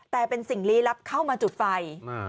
แต่เป็นสิ่งลี้ลับเข้ามาจุดไฟ